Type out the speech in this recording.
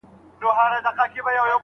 په واده بايد شاوخوا خلک خبر سي.